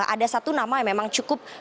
ada satu nama yang memang cukup kuat posisinya